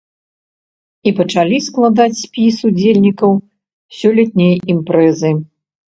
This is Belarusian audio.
І пачалі складаць спіс удзельнікаў сёлетняй імпрэзы.